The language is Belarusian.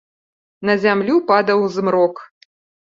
На зямлю падаў змрок.